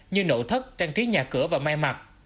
như nổ thất trang trí nhà cửa và may mặt